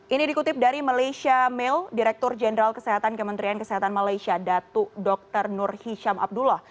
ini dikutip dari malaysia mail direktur jenderal kesehatan kementerian kesehatan malaysia datu dr nur hisham abdullah